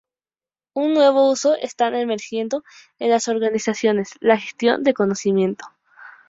Un nuevo uso está emergiendo en las organizaciones: la gestión del conocimiento.